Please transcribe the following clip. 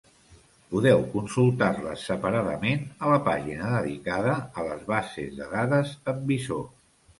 Podeu consultar-les separadament a la pàgina dedicada a les bases de dades amb visor.